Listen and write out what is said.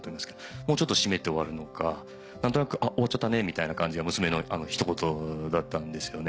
もうちょっと締めて終わるのか「あっ終わっちゃったね」みたいな感じが娘の一言だったんですよね。